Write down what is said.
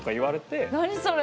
何それ？